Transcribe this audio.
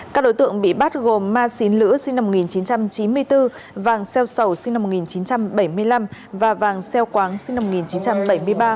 các đối tượng bị bắt gồm ma xín lữ sinh năm một nghìn chín trăm chín mươi bốn vàng xeo sầu sinh năm một nghìn chín trăm bảy mươi năm và vàng xeo quáng sinh năm một nghìn chín trăm bảy mươi ba